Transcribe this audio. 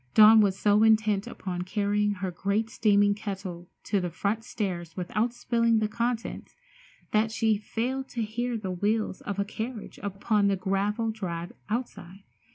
Dawn was so intent upon carrying her great steaming kettle up the front stairs without spilling the contents that she failed to hear the wheels of a carriage upon the gravel drive outside.